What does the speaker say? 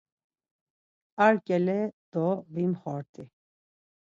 Ar ǩale do vimxort̆i.